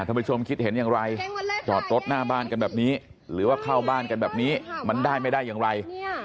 ผู้ชมคิดเห็นอย่างไรจอดรถหน้าบ้านกันแบบนี้หรือว่าเข้าบ้านกันแบบนี้มันได้ไม่ได้อย่างไร